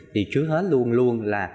thì trước hết luôn luôn là